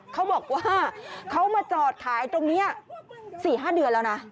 เขาบอกว่าเขามาจอดขายตรงนี้๔๕เดือนแล้วนะ